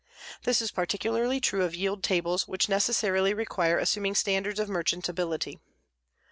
This is particularly true of yield tables which necessarily require assuming standards of merchantability.